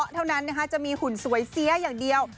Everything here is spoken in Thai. เท่านั้นนะคะจะมีหุ่นสวยเสียอย่างเดียว